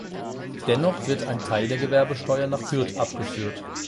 Dennoch wird ein Teil der Gewerbesteuer nach Hürth abgeführt.